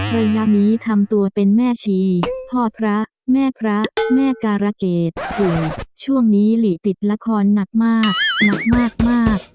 ระยะนี้ทำตัวเป็นแม่ชีพ่อพระแม่พระแม่การะเกดช่วงนี้หลีติดละครหนักมากหนักมาก